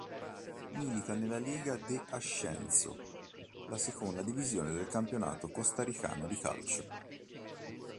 Milita nella Liga de Ascenso, la seconda divisione del campionato costaricano di calcio.